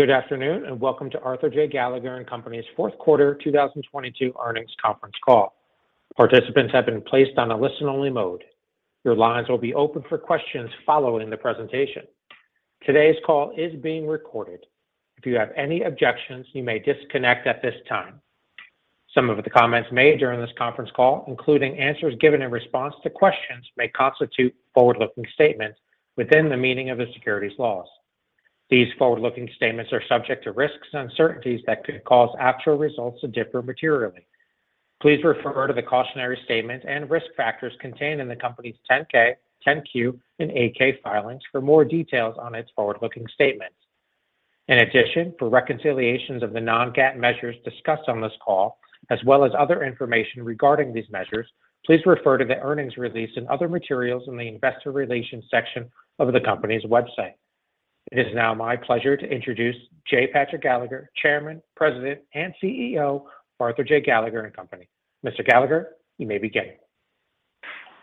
Good afternoon, and welcome to Arthur J. Gallagher & Co.'s fourth quarter 2022 earnings conference call. Participants have been placed on a listen-only mode. Your lines will be open for questions following the presentation. Today's call is being recorded. If you have any objections, you may disconnect at this time. Some of the comments made during this conference call, including answers given in response to questions, may constitute forward-looking statements within the meaning of the securities laws. These forward-looking statements are subject to risks and uncertainties that could cause actual results to differ materially. Please refer to the cautionary statement and risk factors contained in the company's Form 10-K, Form 10-Q, and Form 8-K filings for more details on its forward-looking statements. For reconciliations of the non-GAAP measures discussed on this call, as well as other information regarding these measures, please refer to the earnings release and other materials in the investor relations section of the company's website. It is now my pleasure to introduce J. Patrick Gallagher, Chairman, President, and CEO of Arthur J. Gallagher & Company. Mr. Gallagher, you may begin.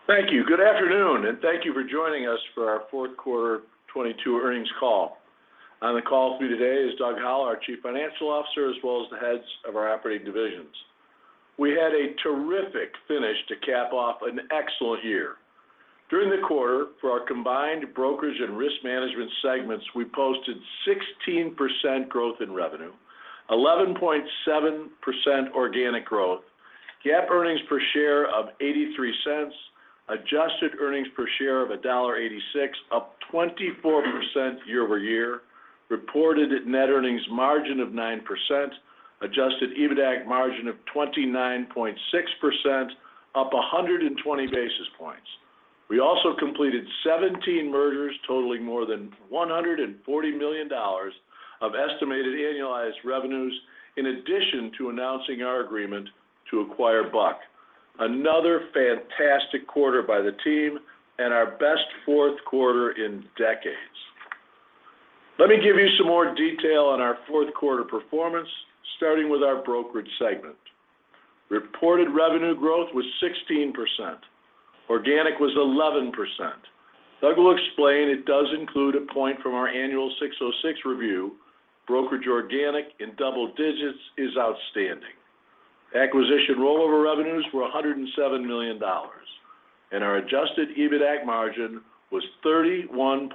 Thank you. Good afternoon, and thank you for joining us for our fourth quarter 2022 earnings call. On the call with me today is Doug Howell, our Chief Financial Officer, as well as the heads of our operating divisions. We had a terrific finish to cap off an excellent year. During the quarter, for our combined brokerage and risk management segments, we posted 16% growth in revenue, 11.7% organic growth, GAAP earnings per share of $0.83, adjusted earnings per share of $1.86, up 24% year-over-year, reported net earnings margin of 9%, adjusted EBITDAC margin of 29.6%, up 120 basis points. We also completed 17 mergers totaling more than $140 million of estimated annualized revenues in addition to announcing our agreement to acquire Buck. Another fantastic quarter by the team and our best fourth quarter in decades. Let me give you some more detail on our fourth quarter performance, starting with our brokerage segment. Reported revenue growth was 16%. Organic was 11%. Doug will explain it does include a point from our annual 606 review. Brokerage organic in double digits is outstanding. Acquisition rollover revenues were $107 million, and our adjusted EBITDAC margin was 31.3%,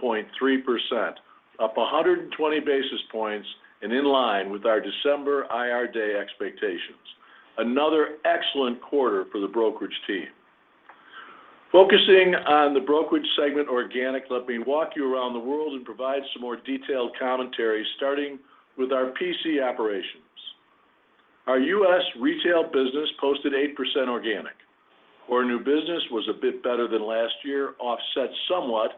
up 120 basis points and in line with our December IR day expectations. Another excellent quarter for the brokerage team. Focusing on the brokerage segment organic, let me walk you around the world and provide some more detailed commentary, starting with our P&C operations. Our U.S. retail business posted 8% organic. Our new business was a bit better than last year, offset somewhat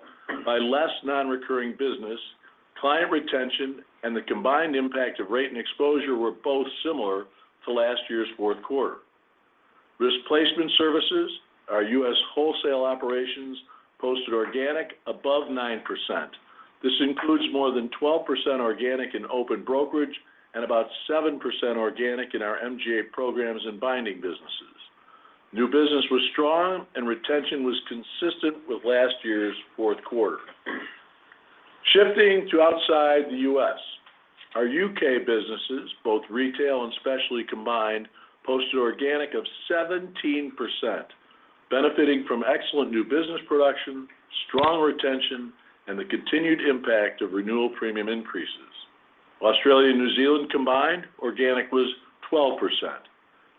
by less non-recurring business. Client retention and the combined impact of rate and exposure were both similar to last year's fourth quarter. Risk Placement Services, our U.S. wholesale operations posted organic above 9%. This includes more than 12% organic in open brokerage and about 7% organic in our MGA programs and binding businesses. New business was strong and retention was consistent with last year's fourth quarter. Shifting to outside the U.S., our U.K. businesses, both retail and specialty combined, posted organic of 17%, benefiting from excellent new business production, strong retention, and the continued impact of renewal premium increases. Australia and New Zealand combined, organic was 12%.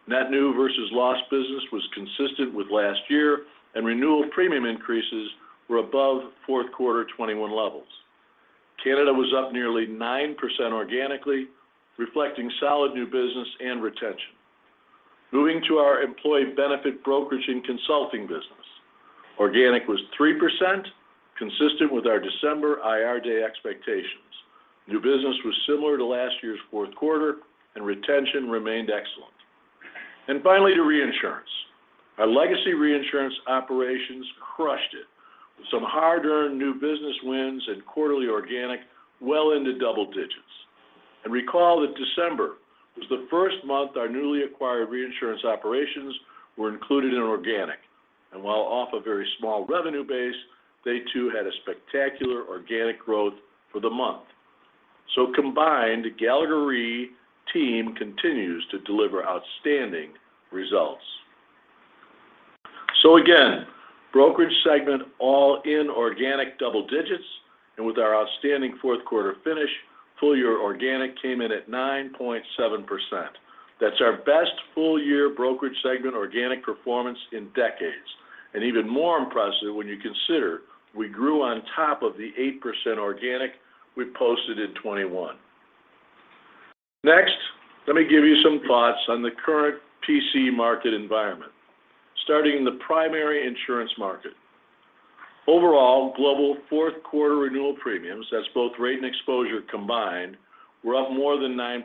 Net new versus lost business was consistent with last year, renewal premium increases were above fourth quarter 2021 levels. Canada was up nearly 9% organically, reflecting solid new business and retention. Moving to our employee benefit brokerage and consulting business. Organic was 3%, consistent with our December IR day expectations. New business was similar to last year's fourth quarter, retention remained excellent. Finally, to reinsurance. Our legacy reinsurance operations crushed it with some hard-earned new business wins and quarterly organic well into double digits. Recall that December was the first month our newly acquired reinsurance operations were included in organic. While off a very small revenue base, they too had a spectacular organic growth for the month. Combined, Gallagher Re team continues to deliver outstanding results. Again, brokerage segment all in organic double digits, and with our outstanding fourth quarter finish, full year organic came in at 9.7%. That's our best full year brokerage segment organic performance in decades. Even more impressive when you consider we grew on top of the 8% organic we posted in 2021. Next, let me give you some thoughts on the current P&C market environment, starting in the primary insurance market. Overall, global fourth quarter renewal premiums, that's both rate and exposure combined, were up more than 9%.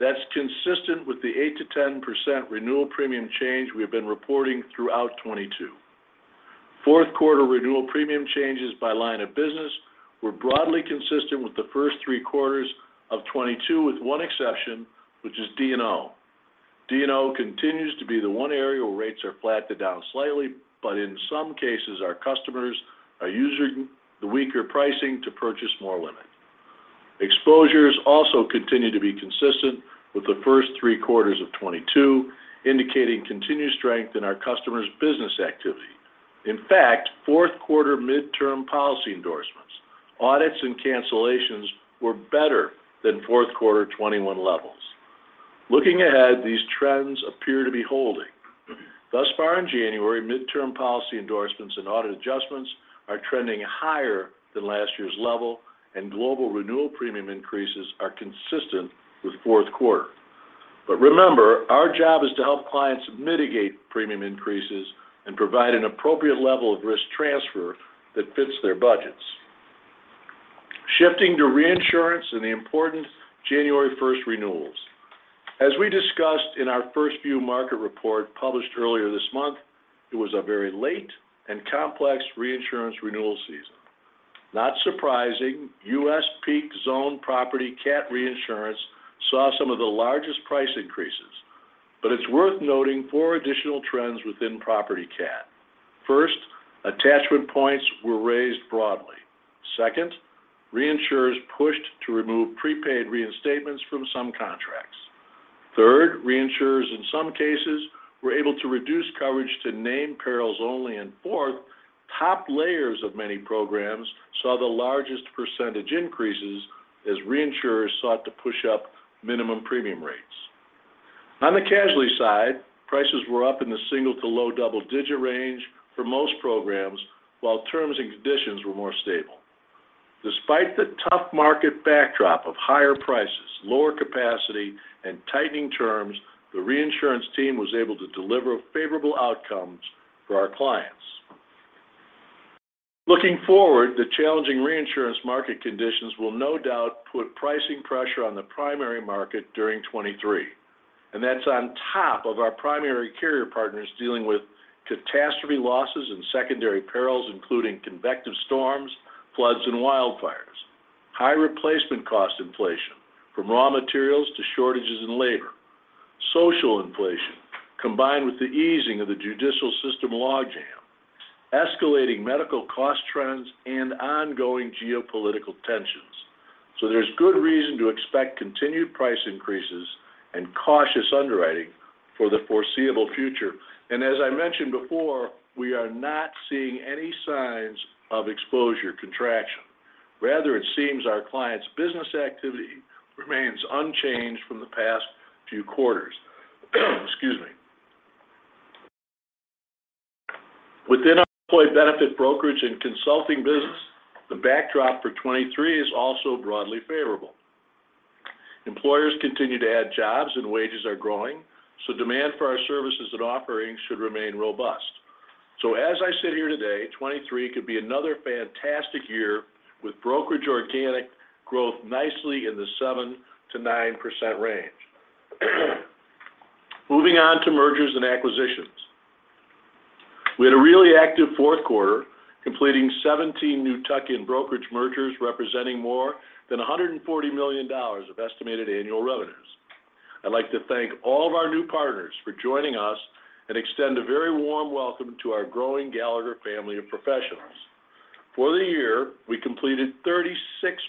That's consistent with the 8%-10% renewal premium change we have been reporting throughout 2022. Fourth quarter renewal premium changes by line of business were broadly consistent with the first three quarters of 2022, with one exception, which is D&O. D&O continues to be the one area where rates are flat to down slightly. In some cases, our customers are using the weaker pricing to purchase more limit. Exposures also continue to be consistent with the first three quarters of 2022, indicating continued strength in our customers' business activity. In fact, fourth quarter midterm policy endorsements, audits, and cancellations were better than fourth quarter 2021 levels. Looking ahead, these trends appear to be holding. Thus far in January, midterm policy endorsements and audit adjustments are trending higher than last year's level, and global renewal premium increases are consistent with fourth quarter. Remember, our job is to help clients mitigate premium increases and provide an appropriate level of risk transfer that fits their budgets. Shifting to reinsurance and the important January 1st renewals. As we discussed in our First View market report published earlier this month, it was a very late and complex reinsurance renewal season. Not surprising, US peak zone property cat reinsurance saw some of the largest price increases. It's worth noting four additional trends within property cat. First, attachment points were raised broadly. Second, reinsurers pushed to remove prepaid reinstatements from some contracts. Third, reinsurers, in some cases, were able to reduce coverage to name perils only. Fourth, top layers of many programs saw the largest % increases as reinsurers sought to push up minimum premium rates. On the casualty side, prices were up in the single to low double-digit range for most programs, while terms and conditions were more stable. Despite the tough market backdrop of higher prices, lower capacity, and tightening terms, the reinsurance team was able to deliver favorable outcomes for our clients. Looking forward, the challenging reinsurance market conditions will no doubt put pricing pressure on the primary market during 2023, and that's on top of our primary carrier partners dealing with catastrophe losses and secondary perils, including convective storms, floods, and wildfires, high replacement cost inflation from raw materials to shortages in labor, social inflation, combined with the easing of the judicial system logjam, escalating medical cost trends, and ongoing geopolitical tensions. There's good reason to expect continued price increases and cautious underwriting for the foreseeable future. As I mentioned before, we are not seeing any signs of exposure contraction. Rather, it seems our clients' business activity remains unchanged from the past few quarters. Excuse me. Within our employee benefit brokerage and consulting business, the backdrop for 2023 is also broadly favorable. Employers continue to add jobs and wages are growing, demand for our services and offerings should remain robust. As I sit here today, 2023 could be another fantastic year with brokerage organic growth nicely in the 7%-9% range. Moving on to mergers and acquisitions. We had a really active fourth quarter, completing 17 new tuck-in brokerage mergers representing more than $140 million of estimated annual revenues. I'd like to thank all of our new partners for joining us and extend a very warm welcome to our growing Gallagher family of professionals. For the year, we completed 36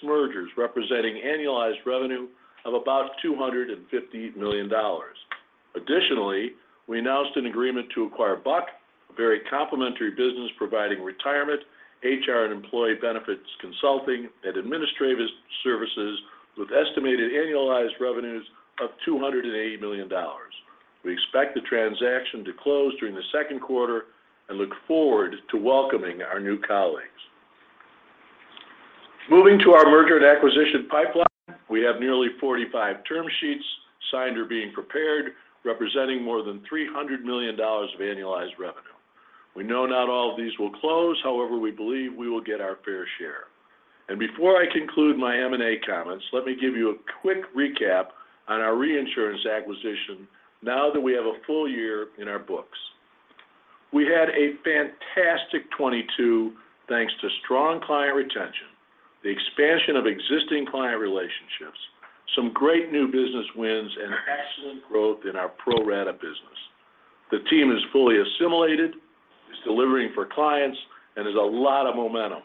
mergers, representing annualized revenue of about $250 million. Additionally, we announced an agreement to acquire Buck, a very complementary business providing retirement, HR, and employee benefits consulting and administrative services with estimated annualized revenues of $280 million. We expect the transaction to close during the second quarter and look forward to welcoming our new colleagues. Moving to our merger and acquisition pipeline, we have nearly 45 term sheets signed or being prepared, representing more than $300 million of annualized revenue. We know not all of these will close. However, we believe we will get our fair share. Before I conclude my M&A comments, let me give you a quick recap on our reinsurance acquisition now that we have a full year in our books. We had a fantastic 2022 thanks to strong client retention, the expansion of existing client relationships, some great new business wins, and excellent growth in our pro-rata business. The team is fully assimilated, is delivering for clients, and there's a lot of momentum.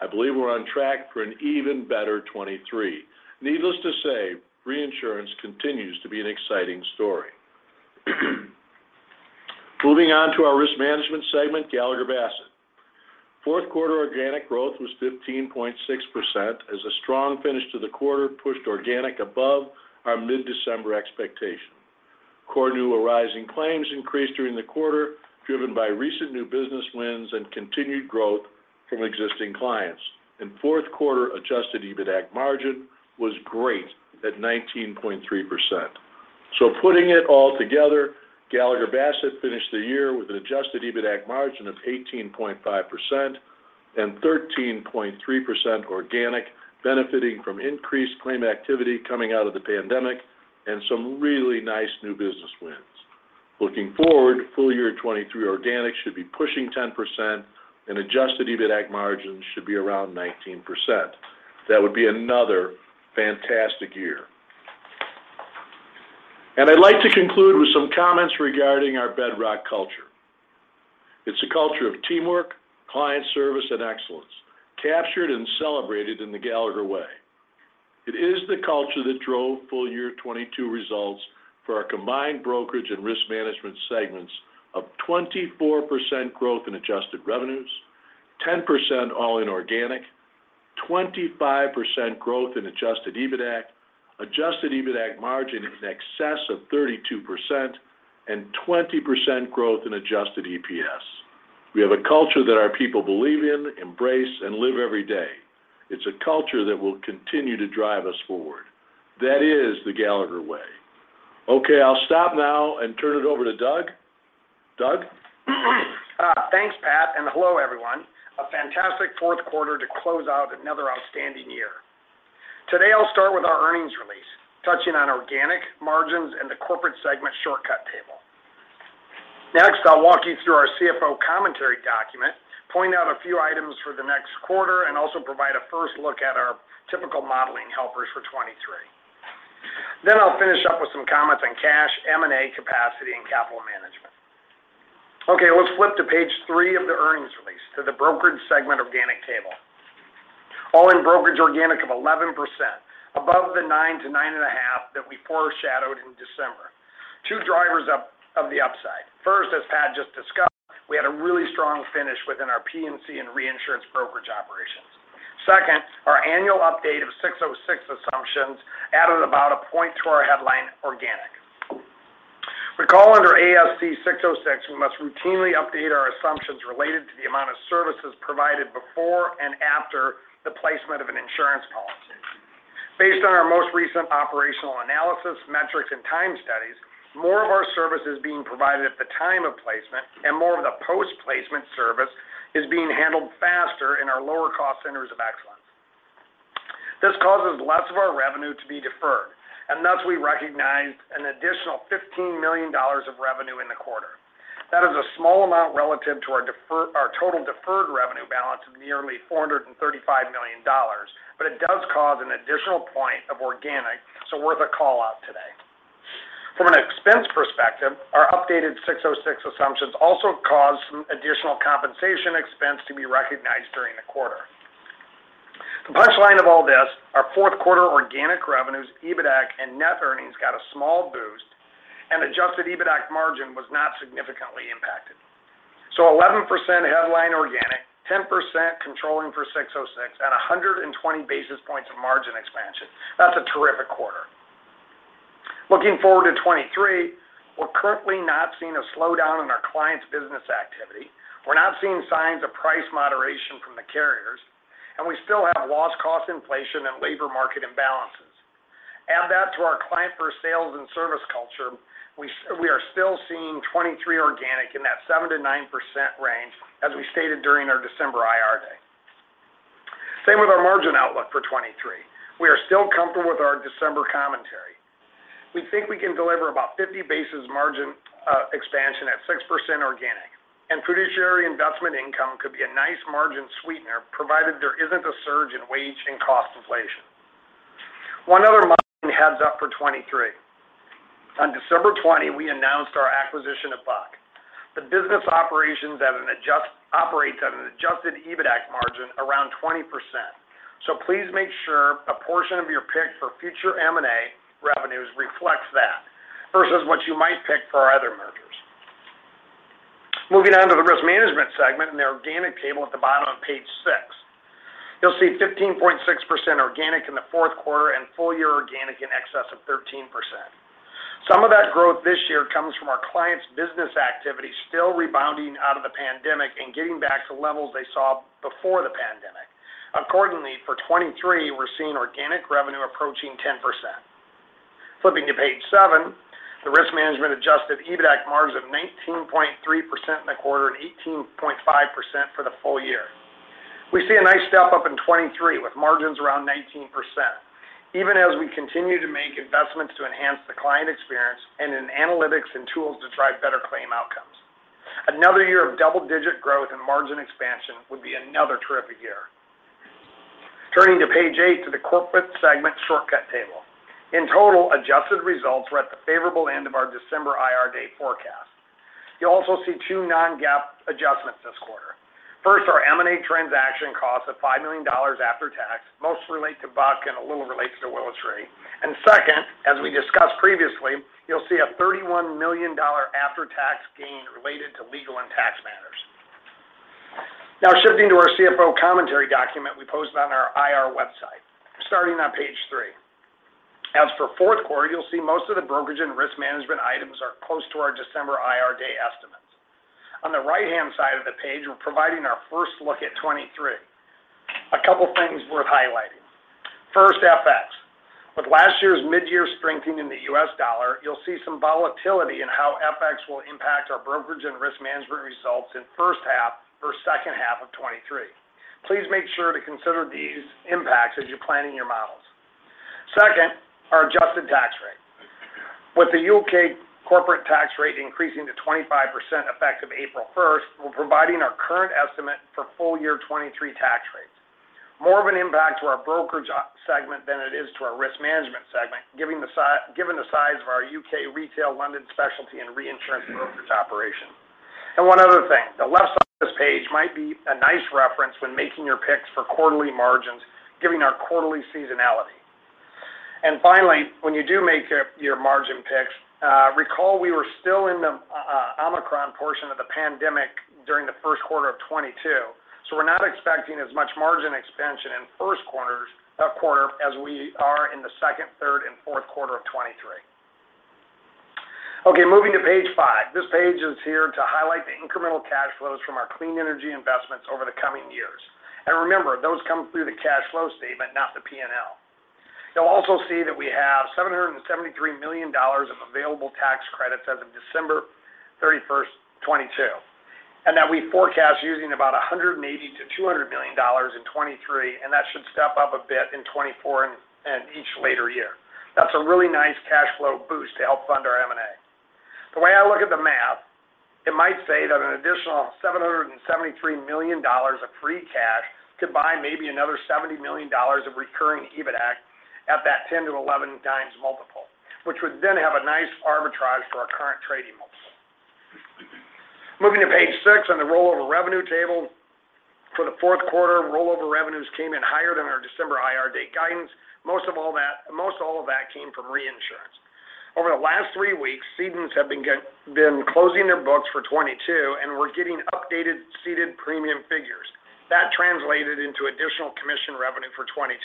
I believe we're on track for an even better 2023. Needless to say, reinsurance continues to be an exciting story. Moving on to our risk management segment, Gallagher Bassett. Fourth quarter organic growth was 15.6% as a strong finish to the quarter pushed organic above our mid-December expectation. Core new arising claims increased during the quarter, driven by recent new business wins and continued growth from existing clients. Fourth quarter adjusted EBITDAC margin was great at 19.3%. Putting it all together, Gallagher Bassett finished the year with an adjusted EBITDAC margin of 18.5% and 13.3% organic, benefiting from increased claim activity coming out of the pandemic and some really nice new business wins. Looking forward, full year 2023 organic should be pushing 10% and adjusted EBITDAC margins should be around 19%. That would be another fantastic year. I'd like to conclude with some comments regarding our bedrock culture. It's a culture of teamwork, client service, and excellence, captured and celebrated in The Gallagher Way. It is the culture that drove full year 2022 results for our combined brokerage and risk management segments of 24% growth in adjusted revenues, 10% all in organic, 25% growth in adjusted EBITDAC. Adjusted EBITDAC margin in excess of 32% and 20% growth in adjusted EPS. We have a culture that our people believe in, embrace, and live every day. It's a culture that will continue to drive us forward. That is The Gallagher Way. I'll stop now and turn it over to Doug. Doug? Thanks, Pat, and hello, everyone. A fantastic fourth quarter to close out another outstanding year. Today, I'll start with our earnings release, touching on organic, margins, and the corporate segment shortcut table. Next, I'll walk you through our CFO commentary document, point out a few items for the next quarter, and also provide a first look at our typical modeling helpers for 2023. I'll finish up with some comments on cash, M&A capacity, and capital management. Let's flip to page three of the earnings release, to the brokerage segment organic table. All-in brokerage organic of 11%, above the 9-9.5% that we foreshadowed in December. Two drivers of the upside. First, as Pat just discussed, we had a really strong finish within our P&C and reinsurance brokerage operations. Second, our annual update of 606 assumptions added about a point to our headline organic. Recall under ASC 606, we must routinely update our assumptions related to the amount of services provided before and after the placement of an insurance policy. Based on our most recent operational analysis, metrics, and time studies, more of our service is being provided at the time of placement and more of the post-placement service is being handled faster in our lower cost centers of excellence. This causes less of our revenue to be deferred, and thus we recognized an additional $15 million of revenue in the quarter. That is a small amount relative to our total deferred revenue balance of nearly $435 million, but it does cause an additional point of organic, so worth a call-out today. From an expense perspective, our updated ASC 606 assumptions also caused some additional compensation expense to be recognized during the quarter. The punchline of all this, our fourth quarter organic revenues, EBITDAC, and net earnings got a small boost, and adjusted EBITDAC margin was not significantly impacted. 11% headline organic, 10% controlling for ASC 606, and 120 basis points of margin expansion. That's a terrific quarter. Looking forward to 2023, we're currently not seeing a slowdown in our clients' business activity. We're not seeing signs of price moderation from the carriers, and we still have lost cost inflation and labor market imbalances. Add that to our client first sales and service culture, we are still seeing 2023 organic in that 7%-9% range, as we stated during our December IR day. Same with our margin outlook for 2023. We are still comfortable with our December commentary. We think we can deliver about 50 basis margin expansion at 6% organic, and fiduciary investment income could be a nice margin sweetener, provided there isn't a surge in wage and cost inflation. One other heads-up for 2023. On December 20th, we announced our acquisition of Buck. The business operations operate on an adjusted EBITDAC margin around 20%. Please make sure a portion of your pick for future M&A revenues reflects that, versus what you might pick for our other mergers. Moving on to the risk management segment and their organic table at the bottom of page six. You'll see 15.6% organic in the fourth quarter and full year organic in excess of 13%. Some of that growth this year comes from our clients' business activity still rebounding out of the pandemic and getting back to levels they saw before the pandemic. Accordingly, for 2023, we're seeing organic revenue approaching 10%. Flipping to page seven, the risk management adjusted EBITDAC margin of 19.3% in the quarter and 18.5% for the full year. We see a nice step-up in 2023 with margins around 19%, even as we continue to make investments to enhance the client experience and in analytics and tools to drive better claim outcomes. Another year of double-digit growth and margin expansion would be another terrific year. Turning to page eight to the corporate segment shortcut table. In total, adjusted results were at the favorable end of our December IR day forecast. You'll also see two non-GAAP adjustments this quarter. First, our M&A transaction cost of $5 million after tax, mostly relate to Buck and a little relates to Willis Re. Second, as we discussed previously, you'll see a $31 million after-tax gain related to legal and tax matters. Shifting to our CFO commentary document we posted on our IR website, starting on page three. As for fourth quarter, you'll see most of the brokerage and risk management items are close to our December IR day estimates. On the right-hand side of the page, we're providing our first look at 2023. A couple things worth highlighting. First, FX. With last year's mid-year strengthening in the US dollar, you'll see some volatility in how FX will impact our brokerage and risk management results in first half or second half of 2023. Please make sure to consider these impacts as you're planning your models. Second, our adjusted tax rate. With the U.K. corporate tax rate increasing to 25% effective April 1st, we're providing our current estimate for full year 2023 tax rates. More of an impact to our brokerage segment than it is to our risk management segment, given the size of our U.K. retail London specialty and reinsurance brokerage operation. One other thing, the left side of this page might be a nice reference when making your picks for quarterly margins, giving our quarterly seasonality. Finally, when you do make your margin picks, recall we were still in the Omicron portion of the pandemic during the first quarter of 2022. We're not expecting as much margin expansion in first quarter as we are in the second, third and fourth quarter of 2023. Okay, moving to page five. This page is here to highlight the incremental cash flows from our clean energy investments over the coming years. Remember, those come through the cash flow statement, not the P&L. You'll also see that we have $773 million of available tax credits as of December 31st, 2022, and that we forecast using about $180 million-$200 million in 2023, and that should step up a bit in 2024 and each later year. That's a really nice cash flow boost to help fund our M&A. The way I look at the math, it might say that an additional $773 million of free cash could buy maybe another $70 million of recurring EBITA at that 10x-11x multiple, which would then have a nice arbitrage for our current trading multiple. Moving to page six on the rollover revenue table. For the fourth quarter, rollover revenues came in higher than our December IR date guidance. Most all of that came from reinsurance. Over the last three weeks, cedents have been closing their books for 2022, and we're getting updated ceded premium figures. That translated into additional commission revenue for 2022.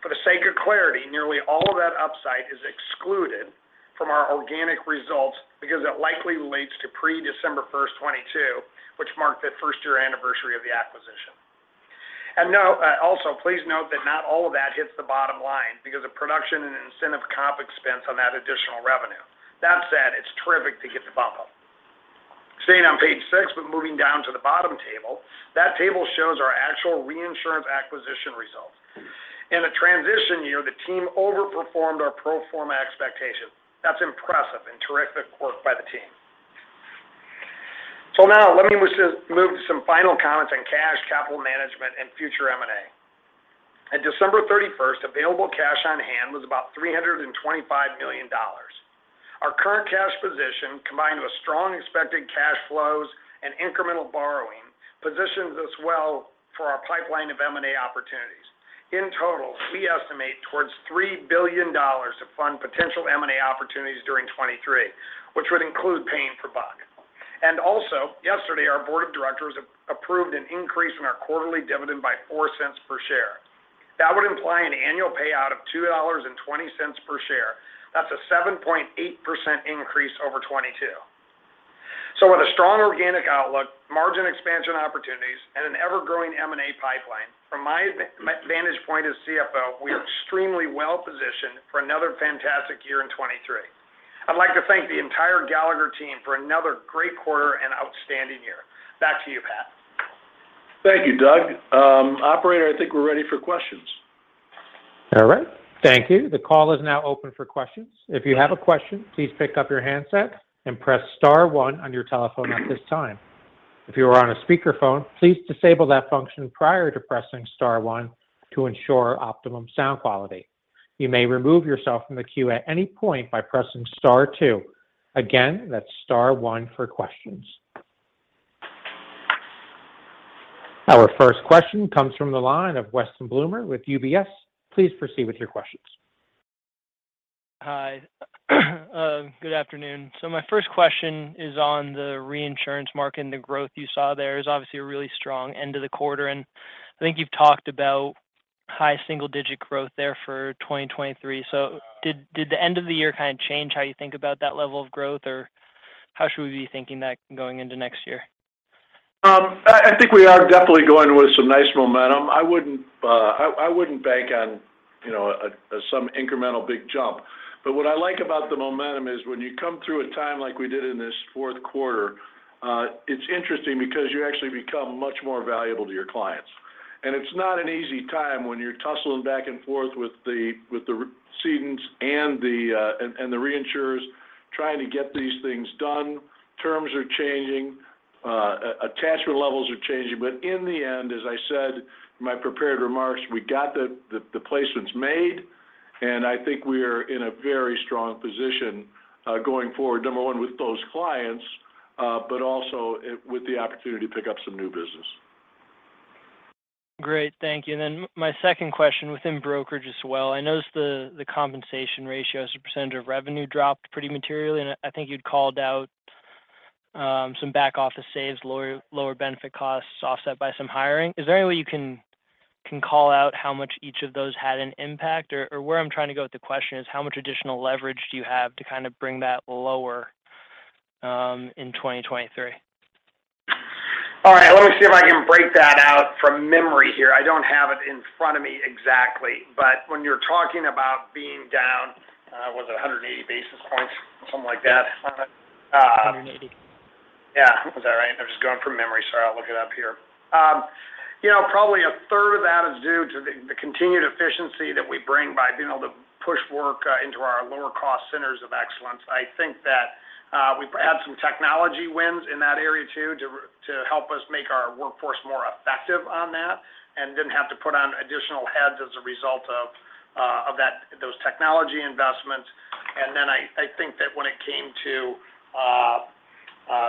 For the sake of clarity, nearly all of that upside is excluded from our organic results because it likely relates to pre-December 1st, 2022, which marked the 1st year anniversary of the acquisition. Also please note that not all of that hits the bottom line because of production and incentive comp expense on that additional revenue. That said, it's terrific to get the bump up. Staying on page six, moving down to the bottom table. That table shows our actual reinsurance acquisition results. In a transition year, the team overperformed our pro forma expectations. That's impressive and terrific work by the team. Now let me move to some final comments on cash, capital management and future M&A. At December 31st, available cash on hand was about $325 million. Our current cash position, combined with strong expected cash flows and incremental borrowing, positions us well for our pipeline of M&A opportunities. In total, we estimate towards $3 billion to fund potential M&A opportunities during 2023, which would include paying for Buck. Also, yesterday, our board of directors approved an increase in our quarterly dividend by $0.04 per share. That would imply an annual payout of $2.20 per share. That's a 7.8% increase over 2022. With a strong organic outlook, margin expansion opportunities, and an ever-growing M&A pipeline, from my advantage point as CFO, we are extremely well positioned for another fantastic year in 2023. I'd like to thank the entire Gallagher team for another great quarter and outstanding year. Back to you, Pat. Thank you, Doug. Operator, I think we're ready for questions. All right. Thank you. The call is now open for questions. If you have a question, please pick up your handset and press star one on your telephone at this time. If you are on a speakerphone, please disable that function prior to pressing star one to ensure optimum sound quality. You may remove yourself from the queue at any point by pressing star two. Again, that's star one for questions. Our first question comes from the line of Weston Bloomer with UBS. Please proceed with your questions. Hi. Good afternoon. My first question is on the reinsurance market and the growth you saw there. It was obviously a really strong end to the quarter, and I think you've talked about high single-digit growth there for 2023. Did the end of the year kind of change how you think about that level of growth? Or how should we be thinking that going into next year? I think we are definitely going with some nice momentum. I wouldn't bank on, you know, a some incremental big jump. What I like about the momentum is when you come through a time like we did in this fourth quarter, it's interesting because you actually become much more valuable to your clients. It's not an easy time when you're tussling back and forth with the cedents and the reinsurers trying to get these things done. Terms are changing. Attachment levels are changing. In the end, as I said in my prepared remarks, we got the placements made, and I think we are in a very strong position, going forward, number one, with those clients, but also with the opportunity to pick up some new business. Great. Thank you. My second question within brokerage as well. I noticed the compensation ratio as a percentage of revenue dropped pretty materially, and I think you'd called out some back office saves, lower benefit costs offset by some hiring. Is there any way you can call out how much each of those had an impact? Or where I'm trying to go with the question is how much additional leverage do you have to kind of bring that lower in 2023? All right. Let me see if I can break that out from memory here. I don't have it in front of me exactly. When you're talking about being down, was it 180 basis points, something like that on it? 180. Yeah. Was that right? I'm just going from memory, so I'll look it up here. you know, probably a third of that is due to the continued efficiency that we bring by being able to push work into our lower cost centers of excellence. I think that we've had some technology wins in that area too, to help us make our workforce more effective on that, and didn't have to put on additional heads as a result of that, those technology investments. I think that when it came to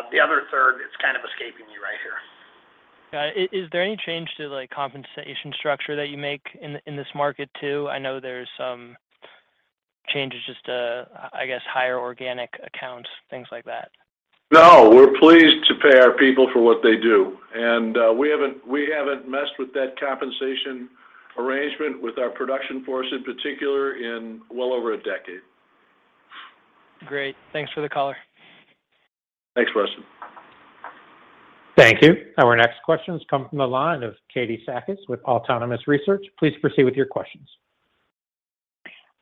the other third, it's kind of escaping me right here. Got it. Is there any change to the, like, compensation structure that you make in this market too? I know there's some changes just to, I guess, higher organic accounts, things like that. No, we're pleased to pay our people for what they do. We haven't messed with that compensation arrangement with our production force in particular in well over a decade. Great. Thanks for the color. Thanks, Preston. Thank you. Our next question comes from the line of Katie Sakys with Autonomous Research. Please proceed with your questions.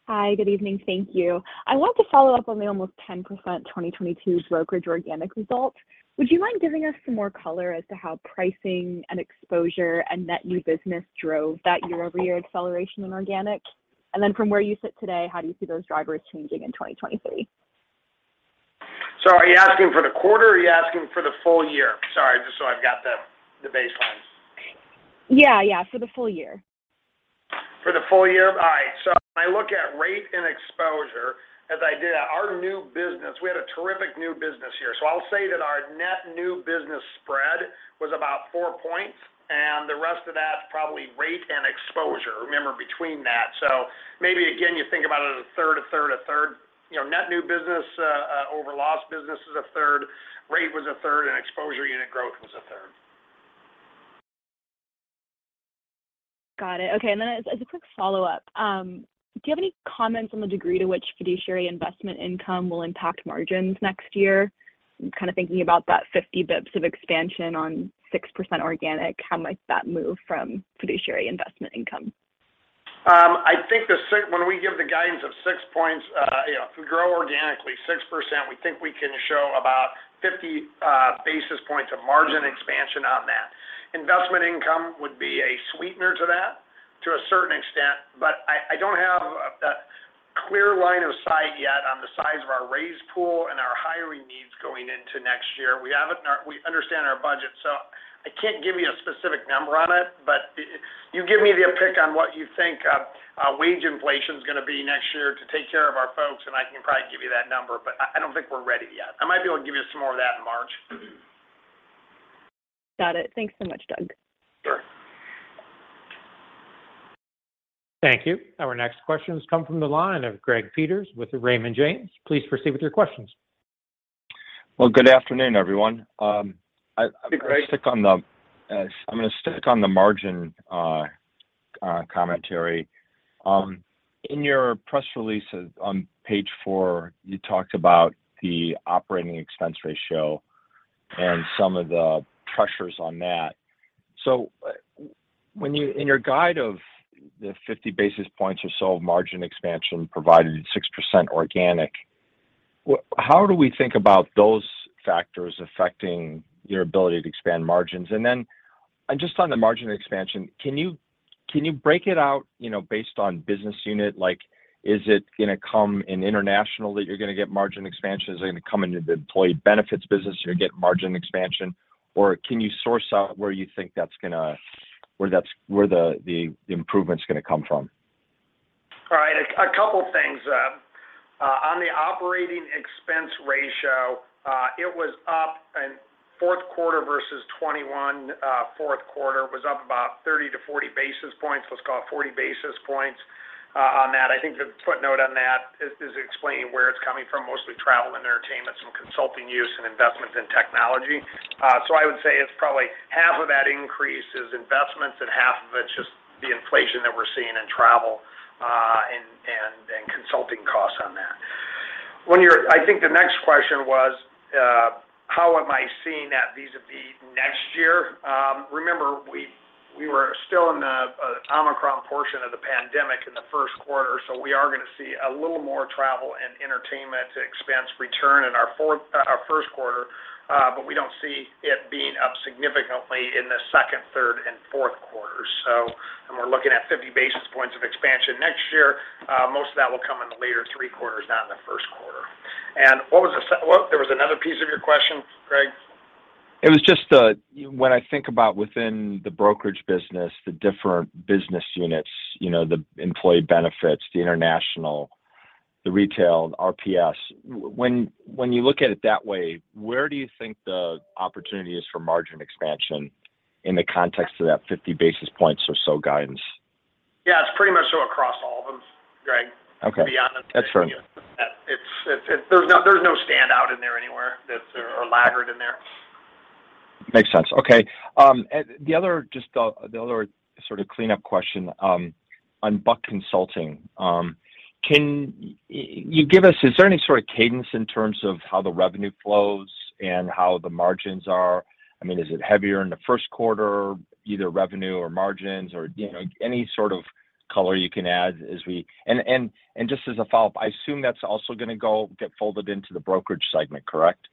Hi. Good evening. Thank you. I want to follow up on the almost 10% 2022 brokerage organic result. Would you mind giving us some more color as to how pricing and exposure and net new business drove that year-over-year acceleration in organic? Then from where you sit today, how do you see those drivers changing in 2023? Are you asking for the quarter, or are you asking for the full year? Sorry, just so I've got the baselines. Yeah. Yeah. For the full year. For the full year. All right. When I look at rate and exposure, as I did at our new business, we had a terrific new business year. I'll say that our net new business spread was about four points, and the rest of that's probably rate and exposure. Remember between that. Maybe again, you think about it as a third, a third, a third. You know, net new business over lost business is a third, rate was a third, and exposure unit growth was a third. Got it. Okay. Then as a quick follow-up, do you have any comments on the degree to which fiduciary investment income will impact margins next year? I'm kind of thinking about that 50 basis points of expansion on 6% organic. How might that move from fiduciary investment income? I think when we give the guidance of six points, you know, if we grow organically 6%, we think we can show about 50 basis points of margin expansion on that. Investment income would be a sweetener to that to a certain extent. I don't have that clear line of sight yet on the size of our raise pool and our hiring needs going into next year. We understand our budget, I can't give you a specific number on it. You give me the pick on what you think wage inflation is going to be next year to take care of our folks, and I can probably give you that number. I don't think we're ready yet. I might be able to give you some more of that in March. Got it. Thanks so much, Doug. Sure. Thank you. Our next question comes from the line of Greg Peters with Raymond James. Please proceed with your questions. Good afternoon, everyone. Hey, Greg. I'm going to stick on the margin commentary. In your press release on page four, you talked about the operating expense ratio and some of the pressures on that. In your guide of the 50 basis points or so of margin expansion provided at 6% organic, how do we think about those factors affecting your ability to expand margins? Then just on the margin expansion, can you break it out, you know, based on business unit? Like, is it going to come in international that you're going to get margin expansion? Is it going to come into the employee benefits business you're getting margin expansion? Can you source out where you think the improvement's gonna come from? All right. A couple things. On the operating expense ratio, it was up in fourth quarter versus 2021 fourth quarter. It was up about 30 to 40 basis points. Let's call it 40 basis points on that. I think the footnote on that is explaining where it's coming from, mostly travel and entertainment, some consulting use and investments in technology. I would say it's probably half of that increase is investments and half of it's just the inflation that we're seeing in travel and consulting costs on that. I think the next question was, how am I seeing that vis-a-vis next year? Remember, we were still in the Omicron portion of the pandemic in the first quarter. We are gonna see a little more travel and entertainment expense return in our first quarter. We don't see it being up significantly in the second, third, and fourth quarters. We're looking at 50 basis points of expansion next year. Most of that will come in the later three quarters, not in the first quarter. What was another piece of your question, Greg? It was just, when I think about within the brokerage business, the different business units, you know, the employee benefits, the international, the retail, the RPS. When you look at it that way, where do you think the opportunity is for margin expansion in the context of that 50 basis points or so guidance? Yeah. It's pretty much so across all of them, Greg. Okay. To be honest with you. That's fair. It's there's no standout in there anywhere or laggard in there. Makes sense. Okay. The other just, the other sort of cleanup question, on Buck Consulting. Can you give us, is there any sort of cadence in terms of how the revenue flows and how the margins are? I mean, is it heavier in the first quarter, either revenue or margins? You know, any sort of color you can add. Just as a follow-up, I assume that's also going to go get folded into the brokerage segment, correct?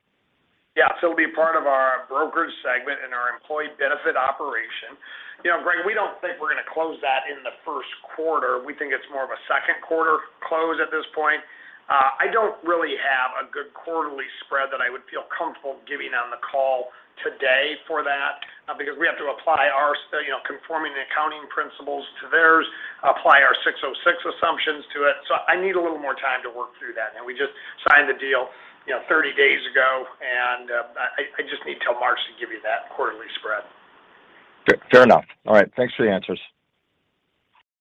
It'll be part of our brokerage segment and our employee benefit operation. You know, Greg, we don't think we're gonna close that in the first quarter. We think it's more of a second quarter close at this point. I don't really have a good quarterly spread that I would feel comfortable giving on the call today for that, because we have to apply our still, you know, conforming accounting principles to theirs, apply our 606 assumptions to it. I need a little more time to work through that, and we just signed the deal, you know, 30 days ago, and I just need till March to give you that quarterly spread. Fair enough. All right. Thanks for your answers.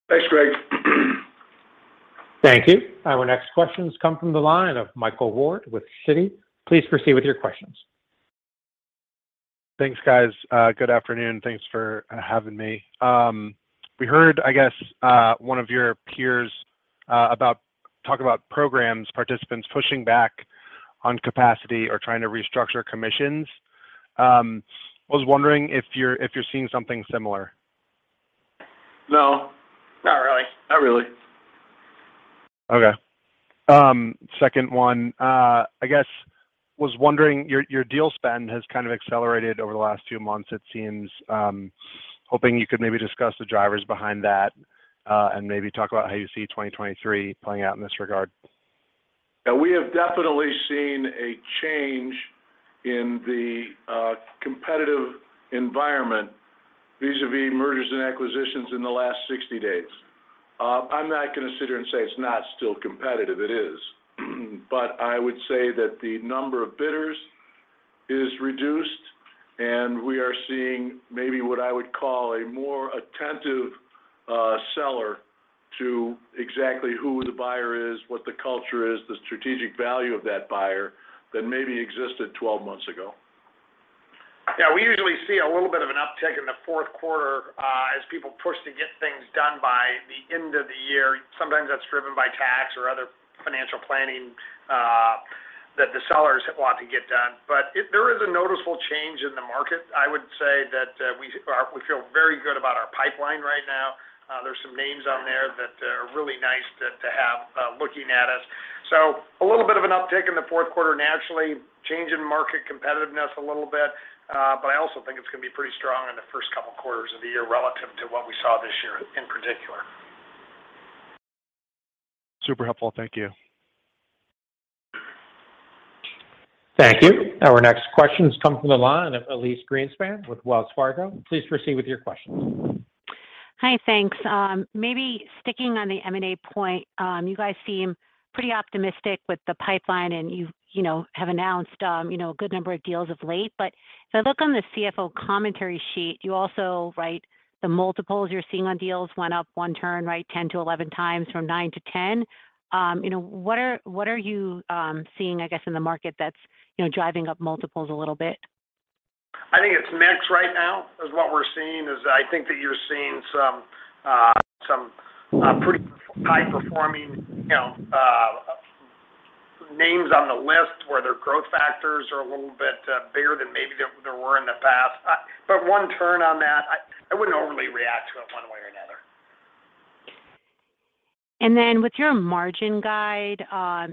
Thanks, Greg. Thank you. Our next questions come from the line of Michael Ward with Citi. Please proceed with your questions. Thanks, guys. Good afternoon. Thanks for having me. We heard, I guess, one of your peers, talk about programs, participants pushing back on capacity or trying to restructure commissions. I was wondering if you're seeing something similar. No. Not really. Not really. Okay. Second one, I guess, was wondering, your deal spend has kind of accelerated over the last two months it seems. Hoping you could maybe discuss the drivers behind that, and maybe talk about how you see 2023 playing out in this regard. We have definitely seen a change in the competitive environment vis-a-vis mergers and acquisitions in the last 60 days. I'm not gonna sit here and say it's not still competitive. It is. I would say that the number of bidders is reduced, and we are seeing maybe what I would call a more attentive seller to exactly who the buyer is, what the culture is, the strategic value of that buyer than maybe existed 12 months ago. Yeah, we usually see a little bit of an uptick in the fourth quarter, as people push to get things done by the end of the year. Sometimes that's driven by tax or other financial planning, that the sellers want to get done. If there is a noticeable change in the market, I would say that, we feel very good about our pipeline right now. There's some names on there that are really nice to have, looking at us. A little bit of an uptick in the fourth quarter naturally, change in market competitiveness a little bit, but I also think it's gonna be pretty strong in the first couple quarters of the year relative to what we saw this year in particular. Super helpful. Thank you. Thank you. Our next question comes from the line of Elyse Greenspan with Wells Fargo. Please proceed with your questions. Hi. Thanks. Maybe sticking on the M&A point, you guys seem pretty optimistic with the pipeline, and you've, you know, have announced, you know, a good number of deals of late. If I look on the CFO commentary sheet, you also write the multiples you're seeing on deals went up one turn, right, 10x-11x from 9x-10x. You know, what are you seeing, I guess, in the market that's, you know, driving up multiples a little bit? I think it's mix right now is what we're seeing. Is I think that you're seeing some pretty high-performing, you know, names on the list where their growth factors are a little bit bigger than maybe there were in the past. One turn on that, I wouldn't overly react to it one way or another. With your margin guide,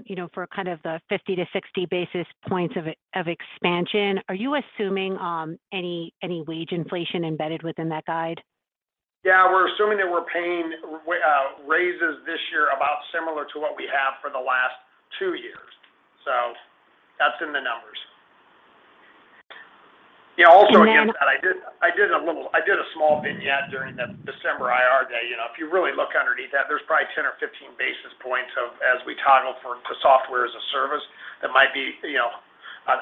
you know, for kind of the 50 to 60 basis points of expansion, are you assuming any wage inflation embedded within that guide? Yeah. We're assuming that we're paying raises this year about similar to what we have for the last two years. That's in the numbers. Yeah, also against. And then- I did a small vignette during the December IR day. You know, if you really look underneath that, there's probably 10 or 15 basis points of as we toggle to software as a service, that might be, you know,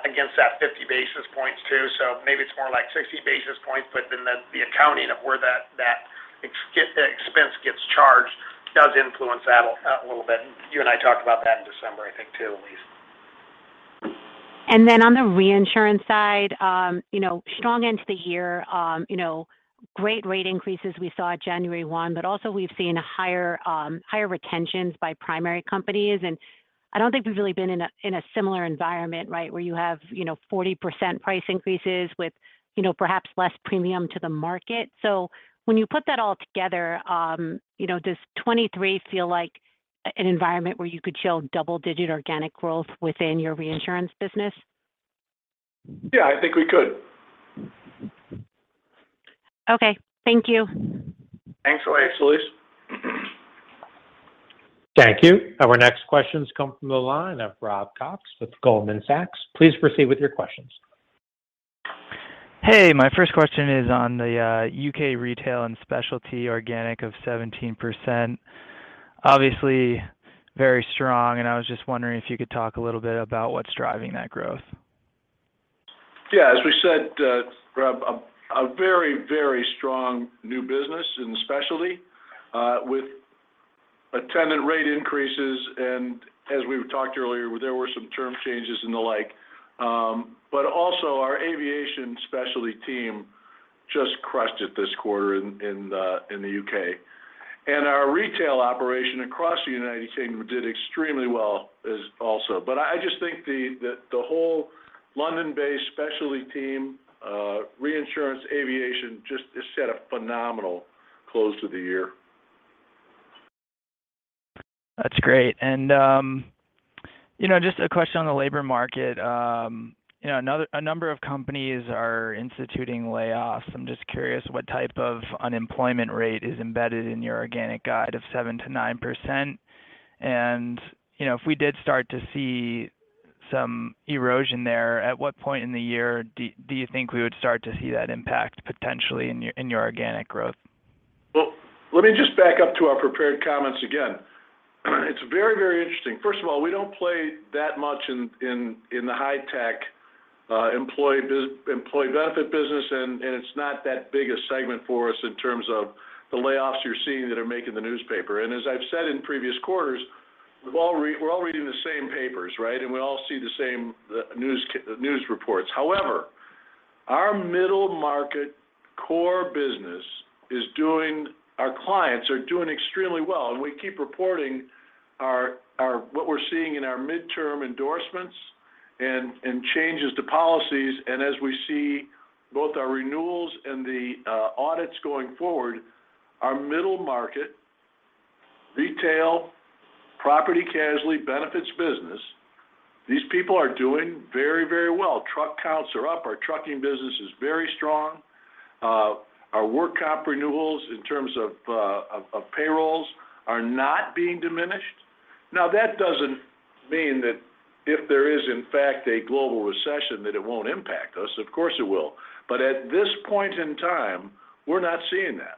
against that 50 basis points too. Maybe it's more like 60 basis points. The accounting of where that expense gets charged does influence that a little bit. You and I talked about that in December, I think too, Elyse. On the reinsurance side, you know, strong end to the year. You know, great rate increases we saw January 1st, we've seen higher retentions by primary companies. I don't think we've really been in a, in a similar environment, right, where you have, you know, 40% price increases with, you know, perhaps less premium to the market. When you put that all together, you know, does 2023 feel like an environment where you could show double-digit organic growth within your reinsurance business? Yeah, I think we could. Okay. Thank you. Thanks once Elyse. Thank you. Our next question's come from the line of Robert Cox with Goldman Sachs. Please proceed with your questions. Hey. My first question is on the U.K retail and specialty organic of 17%. Obviously, very strong, and I was just wondering if you could talk a little bit about what's driving that growth. Yeah. As we said, Rob, a very, very strong new business in specialty, with attendant rate increases, and as we talked earlier, there were some term changes and the like. Also our aviation specialty team just crushed it this quarter in the U.K. Our retail operation across the United Kingdom did extremely well as also. I just think the whole London-based specialty team, reinsurance aviation just had a phenomenal close to the year. That's great. you know, just a question on the labor market. you know, a number of companies are instituting layoffs. I'm just curious what type of unemployment rate is embedded in your organic guide of 7%-9%. you know, if we did start to see some erosion there, at what point in the year do you think we would start to see that impact potentially in your, in your organic growth? Well, let me just back up to our prepared comments again. It's very, very interesting. First of all, we don't play that much in the high-tech employee benefit business, and it's not that big a segment for us in terms of the layoffs you're seeing that are making the newspaper. As I've said in previous quarters, we're all reading the same papers, right? We all see the same, the news reports. However, our middle market core business is doing. Our clients are doing extremely well. We keep reporting our what we're seeing in our midterm endorsements and changes to policies. As we see both our renewals and the audits going forward, our middle market, retail, property casualty benefits business, these people are doing very, very well. Truck counts are up. Our trucking business is very strong. Our work comp renewals in terms of payrolls are not being diminished. That doesn't mean that if there is, in fact, a global recession that it won't impact us. Of course, it will. At this point in time, we're not seeing that.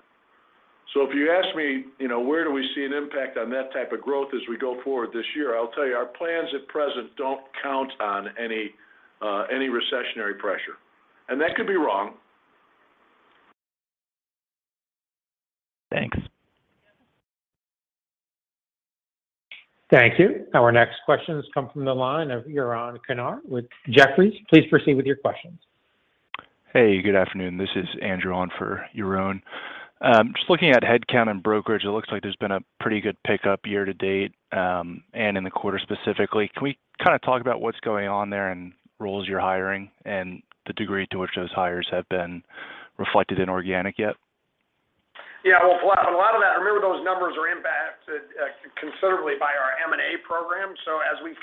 If you ask me, you know, where do we see an impact on that type of growth as we go forward this year, I'll tell you our plans at present don't count on any recessionary pressure, and that could be wrong. Thanks. Thank you. Our next question has come from the line of Yaron Kinar with Jefferies. Please proceed with your questions. Hey, good afternoon. This is Andrew on for Yaron. Just looking at headcount and brokerage, it looks like there's been a pretty good pickup year to date, and in the quarter specifically. Can we kind of talk about what's going on there and roles you're hiring and the degree to which those hires have been reflected in organic yet? Yeah. Well, a lot of that, remember those numbers are impacted considerably by our M&A program. As we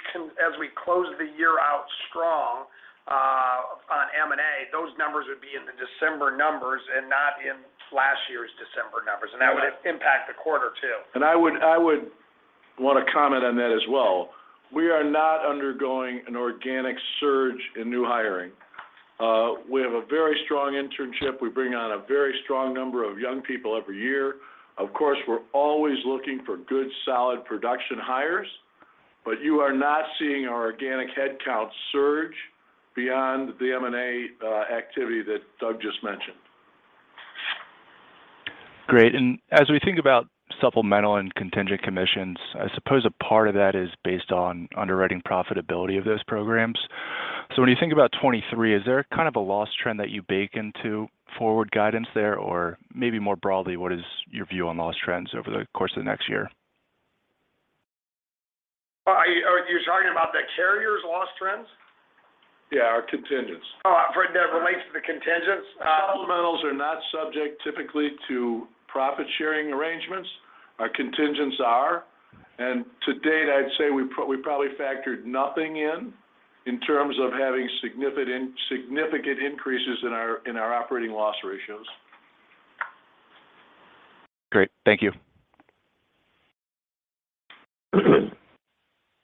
close the year out strong on M&A, those numbers would be in the December numbers and not in last year's December numbers. That would impact the quarter too. I would want to comment on that as well. We are not undergoing an organic surge in new hiring. We have a very strong internship. We bring on a very strong number of young people every year. Of course, we're always looking for good solid production hires, but you are not seeing our organic headcount surge beyond the M&A activity that Doug just mentioned. Great. As we think about supplemental and contingent commissions, I suppose a part of that is based on underwriting profitability of those programs. When you think about 2023, is there kind of a loss trend that you bake into forward guidance there? Or maybe more broadly, what is your view on loss trends over the course of the next year? Are you talking about the carrier's loss trends? Yeah, our contingents. Oh, for that relates to the contingents. The fundamentals are not subject typically to profit-sharing arrangements. Our contingents are. To date, I'd say we probably factored nothing in terms of having significant increases in our operating loss ratios. Great. Thank you.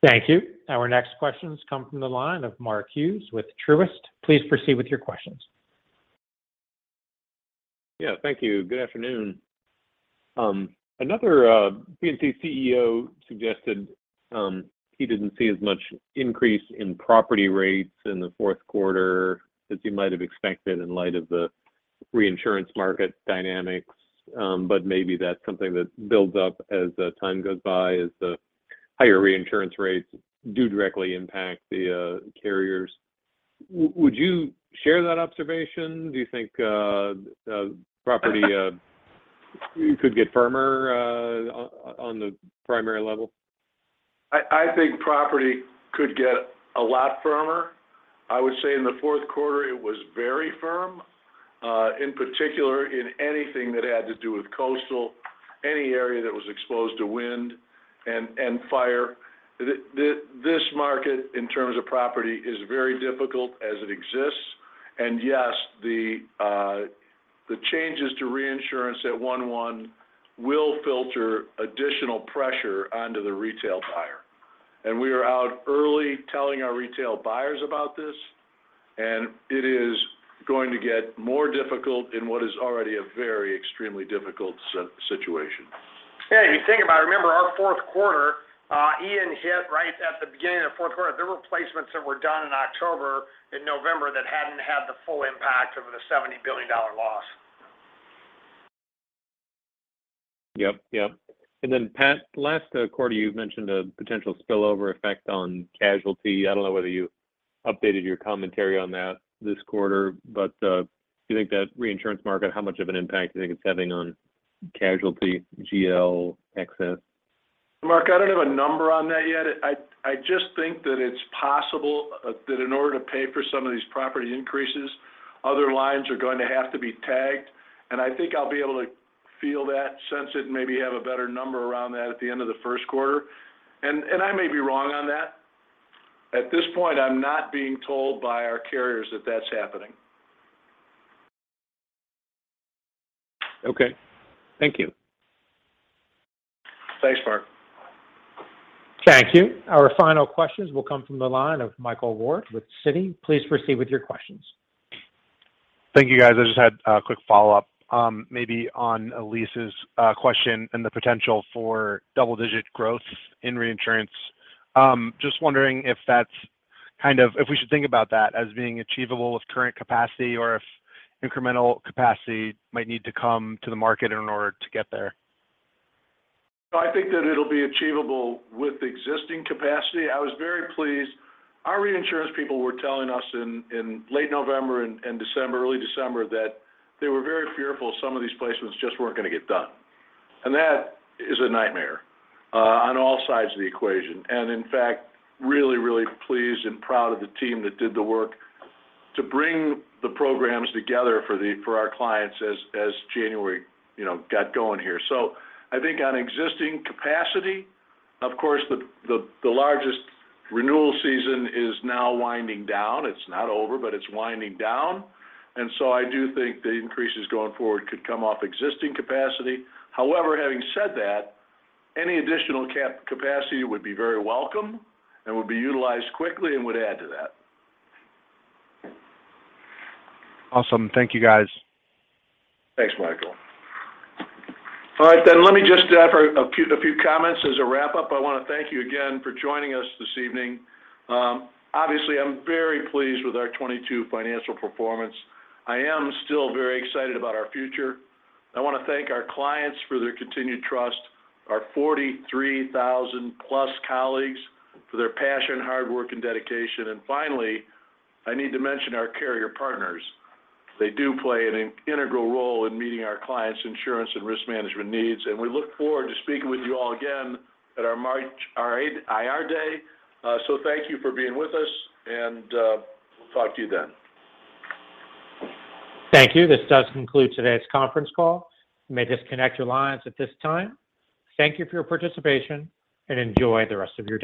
Thank you. Our next question comes from the line of Mark Hughes with Truist. Please proceed with your questions. Yeah, thank you. Good afternoon. Another P&C CEO suggested he didn't see as much increase in property rates in the fourth quarter as you might have expected in light of the reinsurance market dynamics, but maybe that's something that builds up as time goes by as the higher reinsurance rates do directly impact the carriers. Would you share that observation? Do you think property could get firmer on the primary level? I think property could get a lot firmer. I would say in the fourth quarter, it was very firm, in particular in anything that had to do with coastal, any area that was exposed to wind and fire. This market in terms of property is very difficult as it exists. Yes, the changes to reinsurance at 1/1 will filter additional pressure onto the retail buyer. We are out early telling our retail buyers about this, and it is going to get more difficult in what is already a very extremely difficult situation. Yeah. If you think about it, remember our fourth quarter, Ian hit right at the beginning of fourth quarter. The replacements that were done in October and November that hadn't had the full impact of the $70 billion loss. Yep. Yep. Pat, last quarter, you've mentioned a potential spillover effect on casualty. I don't know whether you updated your commentary on that this quarter, but, do you think that reinsurance market, how much of an impact do you think it's having on casualty, GL, excess? Mark, I don't have a number on that yet. I just think that it's possible that in order to pay for some of these property increases, other lines are going to have to be tagged, and I think I'll be able to feel that, sense it, and maybe have a better number around that at the end of the first quarter. I may be wrong on that. At this point, I'm not being told by our carriers that that's happening. Okay. Thank you. Thanks, Mark. Thank you. Our final questions will come from the line of Michael Ward with Citi. Please proceed with your questions. Thank you, guys. I just had a quick follow-up, maybe on Elyse's question and the potential for double digit growth in reinsurance. Just wondering if that's if we should think about that as being achievable with current capacity or if incremental capacity might need to come to the market in order to get there. I think that it'll be achievable with existing capacity. I was very pleased. Our reinsurance people were telling us in late November and December, early December, that they were very fearful some of these placements just weren't gonna get done. That is a nightmare on all sides of the equation. In fact, really pleased and proud of the team that did the work to bring the programs together for our clients as January, you know, got going here. I think on existing capacity, of course, the largest renewal season is now winding down. It's not over, but it's winding down. I do think the increases going forward could come off existing capacity. However, having said that, any additional capacity would be very welcome and would be utilized quickly and would add to that. Awesome. Thank you, guys. Thanks, Michael. All right, let me just for a few comments as a wrap up. I want to thank you again for joining us this evening. Obviously, I'm very pleased with our 2022 financial performance. I am still very excited about our future. I want to thank our clients for their continued trust, our 43,000 plus colleagues for their passion, hard work, and dedication. Finally, I need to mention our carrier partners. They do play an integral role in meeting our clients' insurance and risk management needs, and we look forward to speaking with you all again at our March IR day. Thank you for being with us, we'll talk to you then. Thank you. This does conclude today's conference call. You may disconnect your lines at this time. Thank you for your participation, and enjoy the rest of your day.